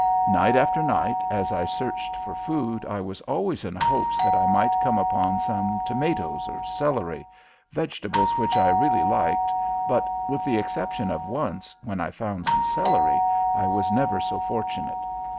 Night after night, as I searched for food, I was always in hopes that I might come upon some tomatoes or celery vegetables which I really liked, but with the exception of once, when I found some celery, I was never so fortunate.